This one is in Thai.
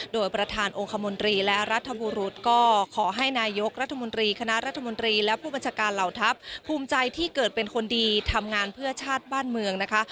โดยประธานองค์คมนตรีและรัฐบุรุษก็ขอให้นายกรัฐมนตรีคณะรัฐมนตรีและผู้บัญชาการเหล่าทัพภูมิใจที่เกิดเป็นคนดีทำงานเพื่อชาติบ้านเมืองนะคะ